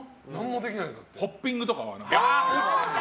ホッピングとかは？